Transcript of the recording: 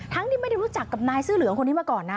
ที่ไม่ได้รู้จักกับนายเสื้อเหลืองคนนี้มาก่อนนะ